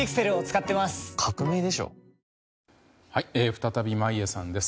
再び眞家さんです。